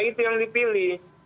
itu yang dipilih